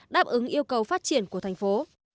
đáp ứng yêu cầu phát triển của thành phố